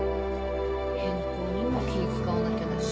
健康にも気使わなきゃだし